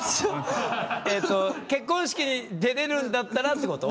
結婚式出れるんだったらってこと？